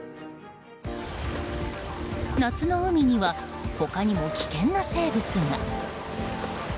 夏の海には、他にも危険な生物が。